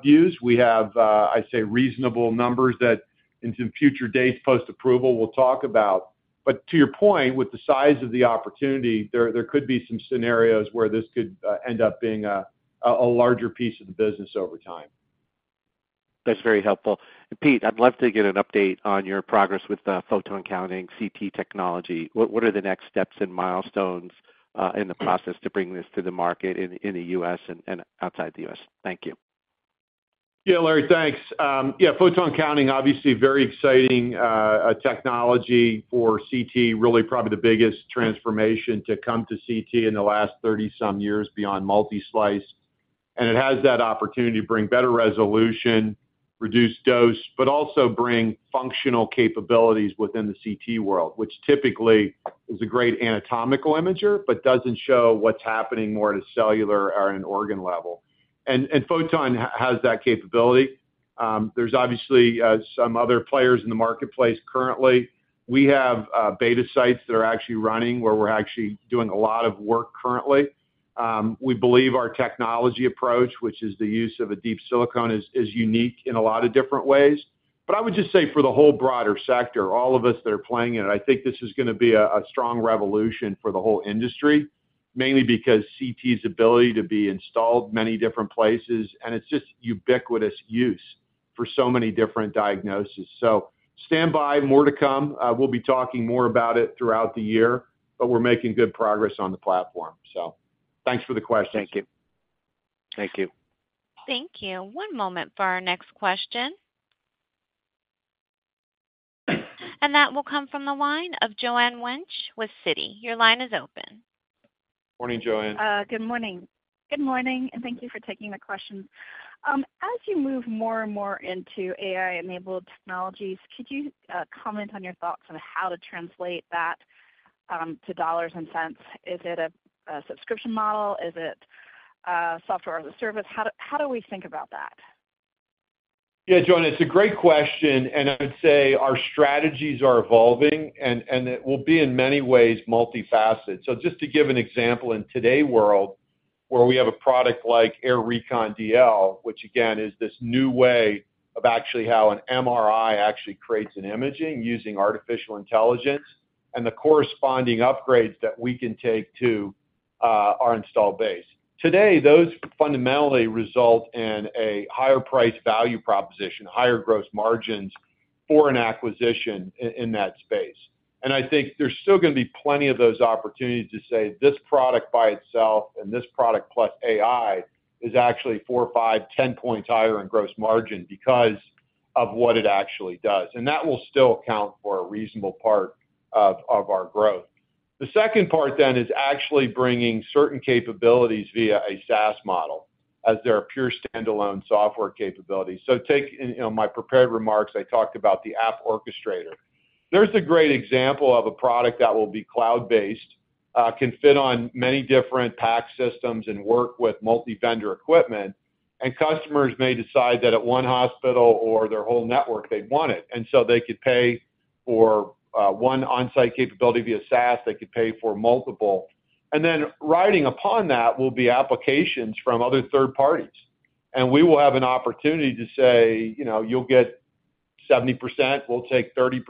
views. We have, I'd say, reasonable numbers that in some future dates, post-approval, we'll talk about. But to your point, with the size of the opportunity, there could be some scenarios where this could end up being a larger piece of the business over time. That's very helpful. Pete, I'd love to get an update on your progress with the photon counting CT technology. What, what are the next steps and milestones, in the process to bring this to the market in, in the U.S. and, and outside the U.S.? Thank you. Yeah, Larry, thanks. Yeah, photon counting, obviously very exciting technology for CT. Really, probably the biggest transformation to come to CT in the last 30-some years beyond multi-slice. And it has that opportunity to bring better resolution, reduce dose, but also bring functional capabilities within the CT world, which typically is a great anatomical imager, but doesn't show what's happening more at a cellular or an organ level. And photon counting has that capability. There's obviously some other players in the marketplace currently. We have beta sites that are actually running, where we're actually doing a lot of work currently. We believe our technology approach, which is the use of deep silicon, is unique in a lot of different ways. But I would just say for the whole broader sector, all of us that are playing in it, I think this is gonna be a strong revolution for the whole industry, mainly because CT's ability to be installed many different places, and it's just ubiquitous use for so many different diagnoses. So stand by, more to come. We'll be talking more about it throughout the year, but we're making good progress on the platform. So thanks for the question. Thank you. Thank you. Thank you. One moment for our next question. That will come from the line of Joanne Wuensch with Citi. Your line is open. Morning, Joanne. Good morning. Good morning, and thank you for taking the question. As you move more and more into AI-enabled technologies, could you comment on your thoughts on how to translate that to dollars and cents? Is it a subscription model? Is it software as a service? How do we think about that? Yeah, Joanne, it's a great question, and I would say our strategies are evolving, and it will be, in many ways, multifaceted. So just to give an example, in today's world, where we have a product like AIR Recon DL, which again, is this new way of actually how an MRI actually creates an imaging using artificial intelligence and the corresponding upgrades that we can take to our install base. Today, those fundamentally result in a higher price value proposition, higher gross margins for an acquisition in that space. And I think there's still gonna be plenty of those opportunities to say this product by itself and this product plus AI is actually four, five, 10 points higher in gross margin because of what it actually does, and that will still account for a reasonable part of our growth. The second part then is actually bringing certain capabilities via a SaaS model as their pure standalone software capabilities. So take, in, you know, my prepared remarks, I talked about the App Orchestrator. There's a great example of a product that will be cloud-based, can fit on many different PACS systems and work with multi-vendor equipment, and customers may decide that at one hospital or their whole network, they want it, and so they could pay for one on-site capability via SaaS, they could pay for multiple. And then riding upon that will be applications from other third parties... and we will have an opportunity to say, you know, you'll get 70%, we'll take 30%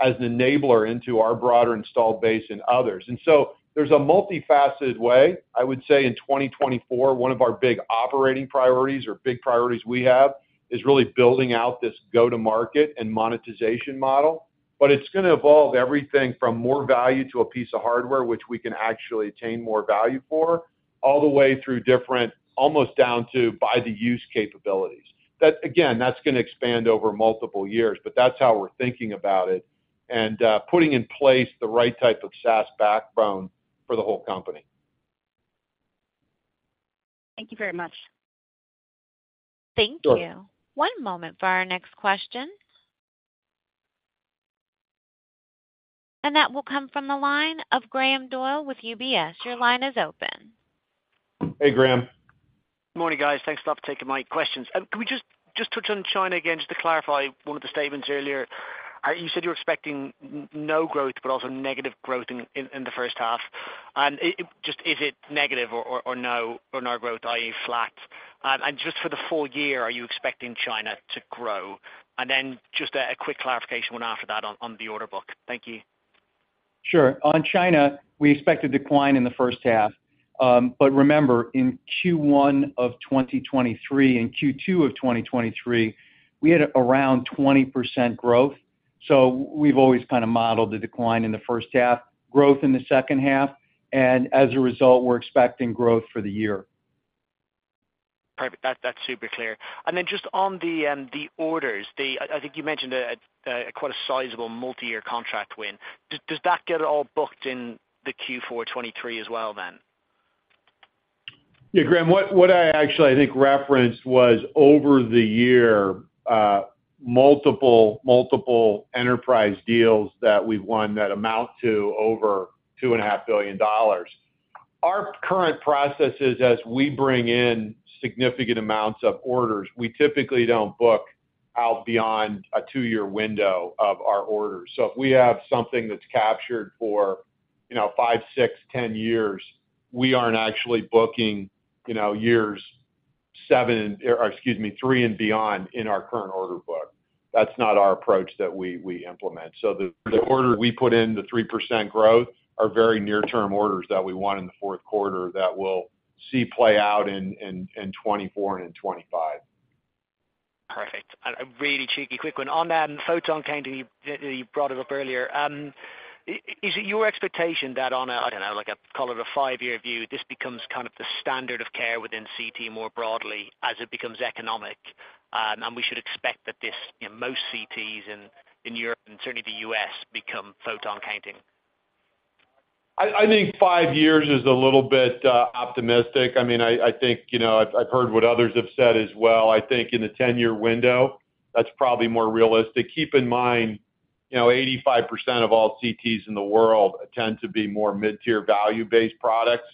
as an enabler into our broader installed base and others. And so there's a multifaceted way, I would say, in 2024, one of our big operating priorities or big priorities we have, is really building out this go-to-market and monetization model. But it's going to evolve everything from more value to a piece of hardware, which we can actually attain more value for, all the way through different, almost down to by the use capabilities. That, again, that's going to expand over multiple years, but that's how we're thinking about it and putting in place the right type of SaaS backbone for the whole company. Thank you very much. Thank you. One moment for our next question. That will come from the line of Graham Doyle with UBS. Your line is open. Hey, Graham. Good morning, guys. Thanks a lot for taking my questions. Can we just touch on China again, just to clarify one of the statements earlier? You said you're expecting no growth, but also negative growth in the first half. And is it negative or no growth, i.e., flat? And just for the full year, are you expecting China to grow? And then just a quick clarification one after that on the order book. Thank you. Sure. On China, we expect a decline in the first half. But remember, in Q1 of 2023 and Q2 of 2023, we had around 20% growth. So we've always kind of modeled the decline in the first half, growth in the second half, and as a result, we're expecting growth for the year. Perfect. That's super clear. And then just on the orders, I think you mentioned quite a sizable multi-year contract win. Does that get all booked in the Q4 2023 as well, then? Yeah, Graham, what I actually, I think, referenced was over the year, multiple enterprise deals that we've won that amount to over $2.5 billion. Our current processes, as we bring in significant amounts of orders, we typically don't book out beyond a two-year window of our orders. So if we have something that's captured for, you know, 5, 6, 10 years, we aren't actually booking, you know, years seven, or excuse me, three and beyond in our current order book. That's not our approach that we implement. So the order we put in, the 3% growth, are very near-term orders that we want in the fourth quarter that we'll see play out in 2024 and in 2025. Perfect. A really cheeky quick one. On that photon counting, you brought it up earlier. Is it your expectation that on a, I don't know, like a call it a 5-year view, this becomes kind of the standard of care within CT more broadly as it becomes economic, and we should expect that this, in most CTs in, in Europe and certainly the US, become photon counting? I think 5 years is a little bit optimistic. I mean, I think, you know, I've heard what others have said as well. I think in a 10-year window, that's probably more realistic. Keep in mind, you know, 85% of all CTs in the world tend to be more mid-tier value-based products.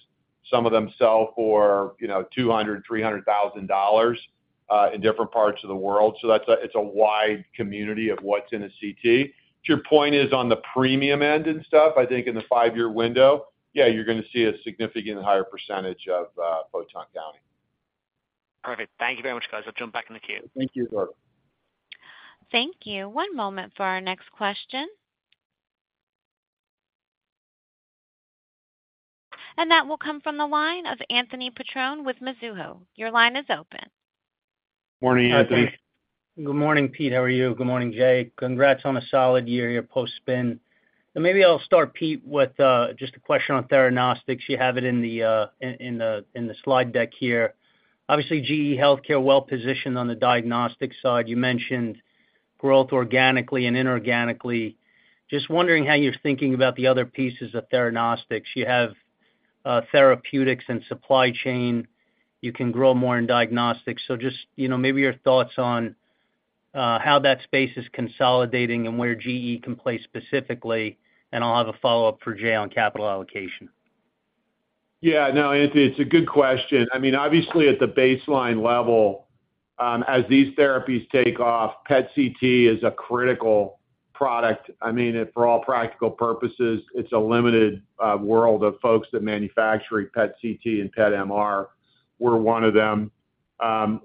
Some of them sell for, you know, $200,000-$300,000 in different parts of the world. So that's a—it's a wide community of what's in a CT. If your point is on the premium end and stuff, I think in the 5-year window, yeah, you're going to see a significant higher percentage of photon counting. Perfect. Thank you very much, guys. I'll jump back in the queue. Thank you. Thank you. One moment for our next question. That will come from the line of Anthony Petrone with Mizuho. Your line is open. Morning, Anthony. Good morning, Pete. How are you? Good morning, Jay. Congrats on a solid year here, post-spin. So maybe I'll start, Pete, with just a question on theranostics. You have it in the slide deck here. Obviously, GE HealthCare, well-positioned on the diagnostic side. You mentioned growth organically and inorganically. Just wondering how you're thinking about the other pieces of theranostics. You have therapeutics and supply chain. You can grow more in diagnostics. So just, you know, maybe your thoughts on how that space is consolidating and where GE can play specifically, and I'll have a follow-up for Jay on capital allocation. Yeah, no, Anthony, it's a good question. I mean, obviously at the baseline level, as these therapies take off, PET/CT is a critical product. I mean, for all practical purposes, it's a limited world of folks that manufacture a PET/CT and PET/MR. We're one of them.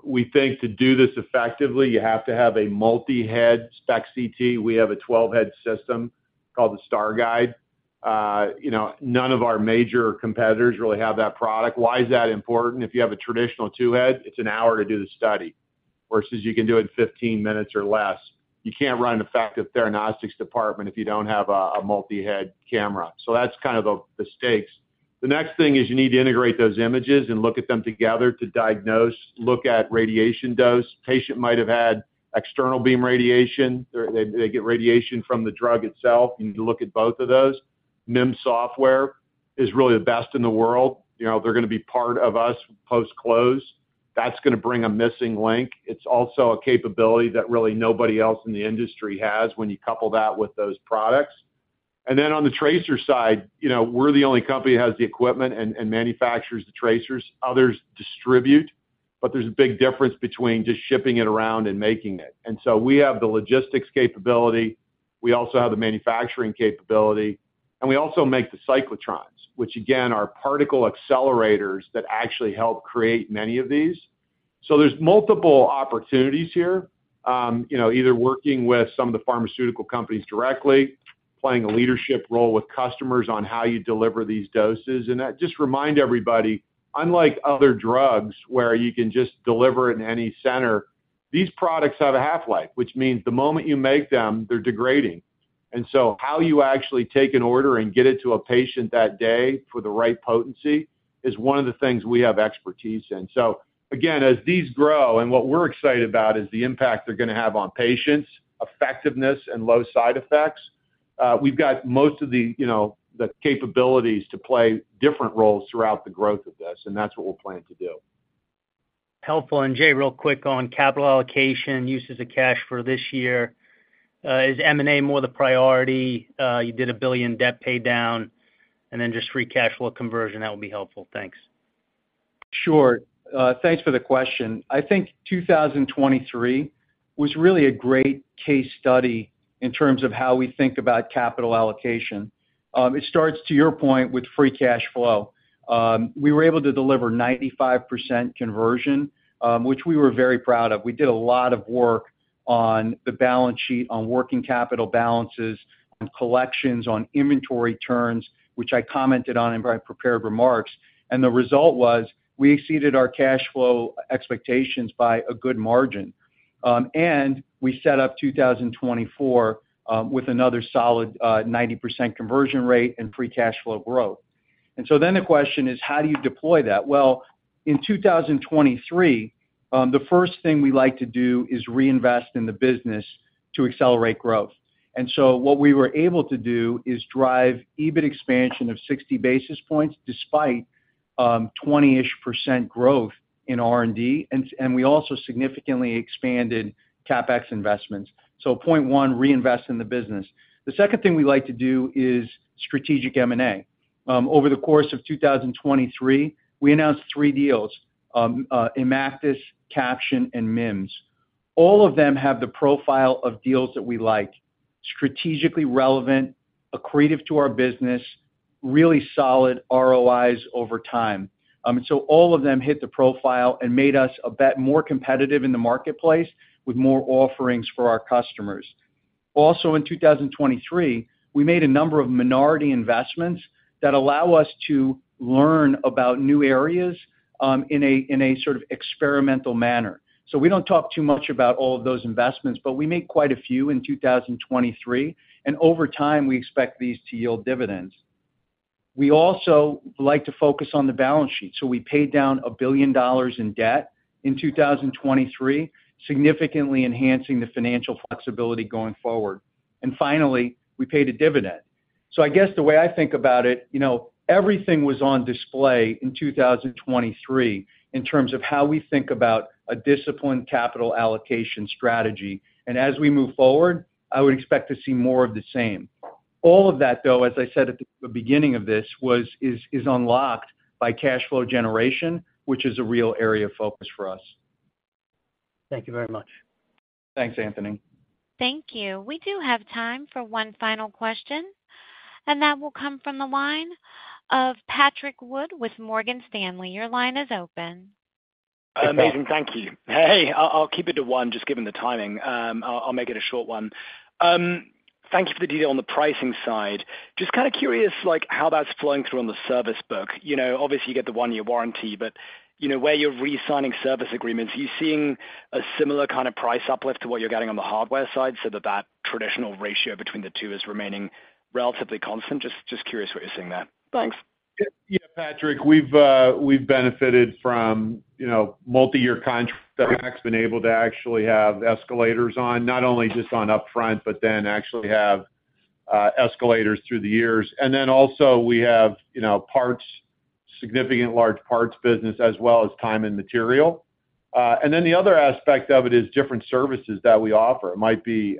We think to do this effectively, you have to have a multi-head SPECT CT. We have a 12-head system called the StarGuide. You know, none of our major competitors really have that product. Why is that important? If you have a traditional 2-head, it's an hour to do the study, versus you can do it in 15 minutes or less. You can't run an effective theranostics department if you don't have a, a multi-head camera. So that's kind of the stakes. The next thing is you need to integrate those images and look at them together to diagnose, look at radiation dose. Patient might have had external beam radiation. They get radiation from the drug itself. You need to look at both of those. MIM Software is really the best in the world. You know, they're going to be part of us post-close. That's going to bring a missing link. It's also a capability that really nobody else in the industry has when you couple that with those products. And then on the tracer side, you know, we're the only company that has the equipment and manufactures the tracers. Others distribute, but there's a big difference between just shipping it around and making it. And so we have the logistics capability. We also have the manufacturing capability, and we also make the cyclotrons, which again, are particle accelerators that actually help create many of these. So there's multiple opportunities here, you know, either working with some of the pharmaceutical companies directly, playing a leadership role with customers on how you deliver these doses. And I just remind everybody, unlike other drugs where you can just deliver it in any center, these products have a half-life, which means the moment you make them, they're degrading. And so how you actually take an order and get it to a patient that day for the right potency, is one of the things we have expertise in. So again, as these grow, and what we're excited about is the impact they're going to have on patients, effectiveness, and low side effects. We've got most of the, you know, the capabilities to play different roles throughout the growth of this, and that's what we'll plan to do. Helpful. And Jay, real quick on capital allocation, uses of cash for this year. Is M&A more the priority? You did $1 billion debt pay down, and then just free cash flow conversion. That would be helpful. Thanks. Sure. Thanks for the question. I think 2023 was really a great case study in terms of how we think about capital allocation. It starts, to your point, with free cash flow. We were able to deliver 95% conversion, which we were very proud of. We did a lot of work on the balance sheet, on working capital balances, on collections, on inventory turns, which I commented on in my prepared remarks. And the result was, we exceeded our cash flow expectations by a good margin. And we set up 2024 with another solid 90% conversion rate and free cash flow growth. And so then the question is: how do you deploy that? Well, in 2023, the first thing we like to do is reinvest in the business to accelerate growth. So what we were able to do is drive EBIT expansion of 60 basis points, despite 20-ish% growth in R&D, and we also significantly expanded CapEx investments. So point 1, reinvest in the business. The second thing we like to do is strategic M&A. Over the course of 2023, we announced 3 deals, Imactis, Caption, and MIM. All of them have the profile of deals that we like, strategically relevant, accretive to our business, really solid ROIs over time. So all of them hit the profile and made us a bit more competitive in the marketplace, with more offerings for our customers. Also, in 2023, we made a number of minority investments that allow us to learn about new areas, in a sort of experimental manner. So we don't talk too much about all of those investments, but we made quite a few in 2023, and over time, we expect these to yield dividends. We also like to focus on the balance sheet, so we paid down $1 billion in 2023, significantly enhancing the financial flexibility going forward. And finally, we paid a dividend. So I guess the way I think about it, you know, everything was on display in 2023 in terms of how we think about a disciplined capital allocation strategy. And as we move forward, I would expect to see more of the same. All of that, though, as I said at the beginning of this, was - is, is unlocked by cash flow generation, which is a real area of focus for us. Thank you very much. Thanks, Anthony. Thank you. We do have time for one final question, and that will come from the line of Patrick Wood with Morgan Stanley. Your line is open. Hi, Patrick. Amazing. Thank you. Hey, I'll keep it to one, just given the timing. I'll make it a short one. Thank you for the detail on the pricing side. Just kind of curious, like, how that's flowing through on the service backlog. You know, obviously, you get the one-year warranty, but, you know, where you're re-signing service agreements, are you seeing a similar kind of price uplift to what you're getting on the hardware side, so that that traditional ratio between the two is remaining relatively constant? Just curious what you're seeing there. Thanks. Yeah, Patrick, we've we've benefited from, you know, multiyear contracts. Been able to actually have escalators on, not only just on upfront, but then actually have escalators through the years. And then also we have, you know, parts, significant large parts business, as well as time and material. And then the other aspect of it is different services that we offer. It might be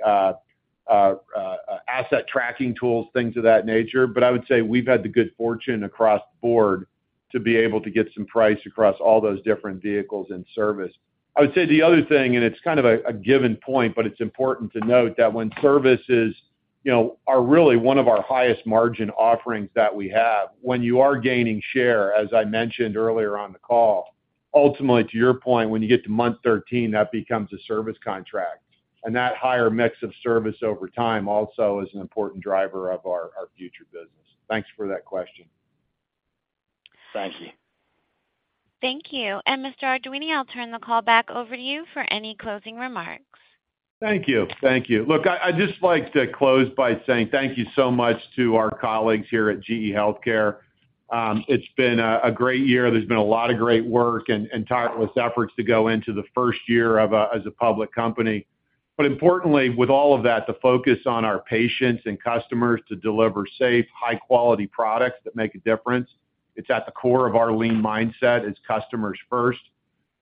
asset tracking tools, things of that nature, but I would say we've had the good fortune across the board to be able to get some price across all those different vehicles and service. I would say the other thing, and it's kind of a given point, but it's important to note, that when services, you know, are really one of our highest margin offerings that we have, when you are gaining share, as I mentioned earlier on the call, ultimately, to your point, when you get to Month 13, that becomes a service contract. And that higher mix of service over time also is an important driver of our, our future business. Thanks for that question. Thank you. Thank you. Mr. Arduini, I'll turn the call back over to you for any closing remarks. Thank you. Thank you. Look, I, I'd just like to close by saying thank you so much to our colleagues here at GE HealthCare. It's been a great year. There's been a lot of great work and tireless efforts to go into the first year as a public company. But importantly, with all of that, the focus on our patients and customers to deliver safe, high-quality products that make a difference, it's at the core of our lean mindset, it's customers first.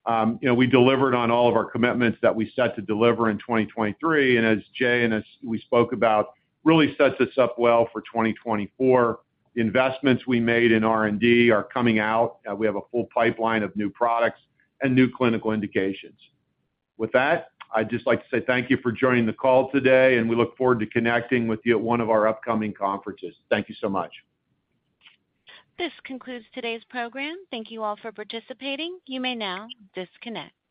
You know, we delivered on all of our commitments that we set to deliver in 2023, and as Jay and as we spoke about, really sets us up well for 2024. The investments we made in R&D are coming out. We have a full pipeline of new products and new clinical indications. With that, I'd just like to say thank you for joining the call today, and we look forward to connecting with you at one of our upcoming conferences. Thank you so much. This concludes today's program. Thank you all for participating. You may now disconnect.